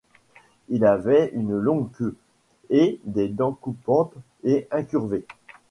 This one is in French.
Il avait une longue queue et des dents coupantes et incurvées.